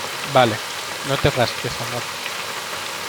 vale. no te rasques, amor .